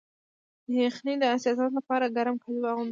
د یخنۍ د حساسیت لپاره ګرم کالي واغوندئ